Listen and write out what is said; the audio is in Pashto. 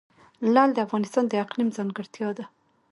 لعل د افغانستان د اقلیم ځانګړتیا ده.